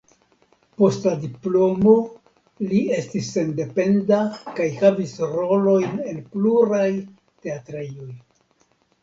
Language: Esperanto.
Post la diplomo li estis sendependa kaj havis rolojn en pluraj teatrejoj.